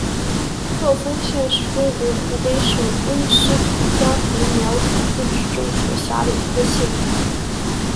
鹤峰县是中国湖北省恩施土家族苗族自治州所辖的一个县。